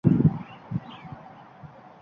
Shu maqsadda kitob berdi.